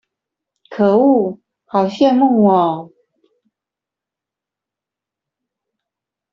可惡好羨慕喔